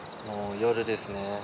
もう夜ですね。